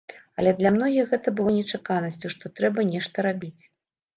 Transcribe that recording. Але для многіх гэта было нечаканасцю, што трэба нешта рабіць.